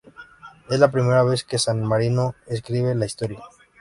Es la primera vez que San Marino, escribe la historia.